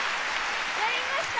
やりました。